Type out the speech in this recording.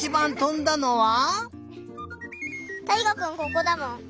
たいがくんここだもん。